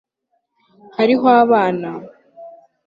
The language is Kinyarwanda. hariho abana